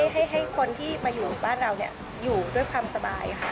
ให้คนที่มาอยู่บ้านเราอยู่ด้วยความสบายค่ะ